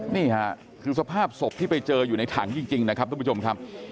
นี่ค่ะคือสภาพศพที่ไปเจออยู่ในถังจริงนะครับทุกผู้ชมครับ